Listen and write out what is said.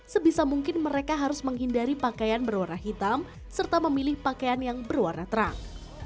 sebisa mungkin mereka harus menghindari pakaian berwarna hitam serta memilih pakaian yang berwarna terang